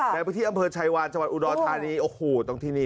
ในพื้นที่อำเภอชายวานจังหวัดอุดรธานีโอ้โหตรงที่นี่